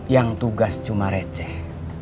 yang tugas cuma receh